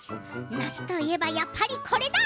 夏といえばやっぱりこれだ！